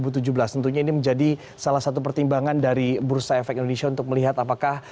tentunya ini menjadi salah satu pertimbangan dari bursa efek indonesia untuk melihat apakah